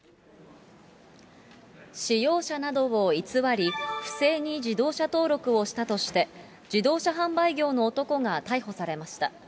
使用者などを偽り、不正に自動車登録をしたとして、自動車販売業の男が逮捕されました。